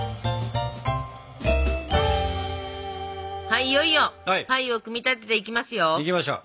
はいいよいよパイを組み立てていきますよ。いきましょう。